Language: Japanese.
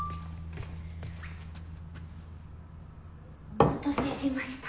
お待たせしました。